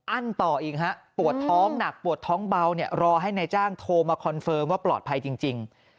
ต่ออีกฮะปวดท้องหนักปวดท้องเบาเนี่ยรอให้นายจ้างโทรมาคอนเฟิร์มว่าปลอดภัยจริง